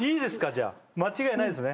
じゃあ間違いないですね